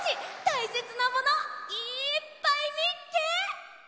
たいせつなものいっぱいみっけ！